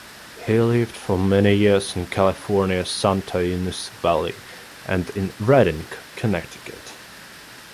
He lived for many years in California's Santa Ynez Valley and in Redding, Connecticut.